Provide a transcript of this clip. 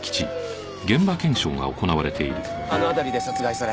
あの辺りで殺害され